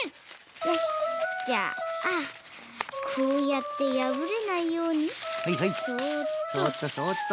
じゃあこうやってやぶれないようにそっとそっと。